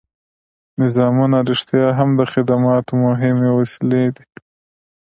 نظامونه رښتیا هم د خدماتو مهمې وسیلې دي.